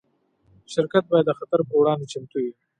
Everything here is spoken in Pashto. شرکت باید د خطر پر وړاندې چمتو وي.